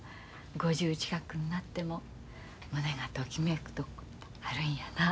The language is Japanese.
五十近くになっても胸がときめくことあるんやな。